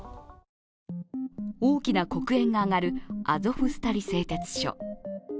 大きな黒煙が上がるアゾフスタリ製鉄所。